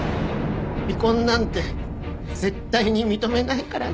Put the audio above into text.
離婚なんて絶対に認めないからな。